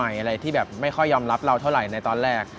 อะไรที่แบบไม่ค่อยยอมรับเราเท่าไหร่ในตอนแรก